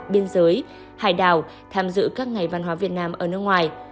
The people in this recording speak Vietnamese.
biên giới hải đảo tham dự các ngày văn hóa việt nam ở nước ngoài